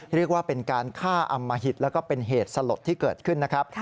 เรียกว่าเป็นการฆ่าอำมหิตแล้วก็เป็นเหตุสลดที่เกิดขึ้นนะครับ